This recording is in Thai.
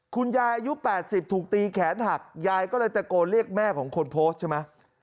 คุณยายอายุ๘๐ถูกตีแขนหักยายก็เลยตะโกนเรียกแม่ของคนโพสต์ใช่ไหม